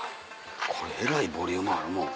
これえらいボリュームあるもん。